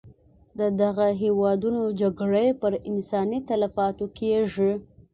د دغه هېوادونو جګړې پر انساني تلفاتو کېږي.